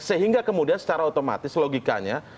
sehingga kemudian secara otomatis logikanya